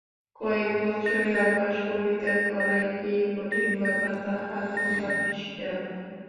কয়েক বৎসরের অভ্যাস পরিত্যাগ করাই কি কঠিন ব্যাপার, তাহা তোমরা বেশ জান।